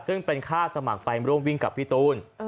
ซึ่งเป็นค่าสมัครไปร่วมวิ่งกับพี่ตูน